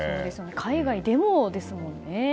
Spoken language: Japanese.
海外でもですもんね。